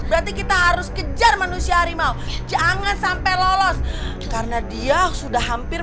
berarti kita harus kejar manusia harimau jangan sampai lolos karena dia sudah hampir